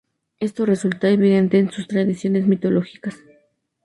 Esto resulta evidente en sus tradiciones mitológicas.